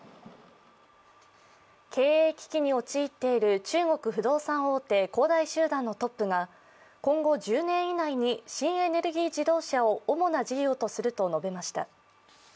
経営危機に陥っている中国不動産大手・恒大集団のトップが今後１０年以内に新エネルギー自動車を主な事業とすると述べました。